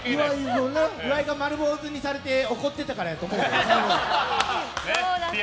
岩井が丸坊主にされて怒ってたからだと思うよ。